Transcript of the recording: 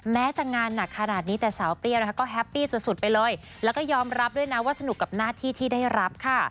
แม้จะงานหนักขนาดนี้แต่สาวเปรี้ยวนะคะก็แฮปปี้สุดไปเลยแล้วก็ยอมรับด้วยนะว่าสนุกกับหน้าที่ที่ได้รับค่ะ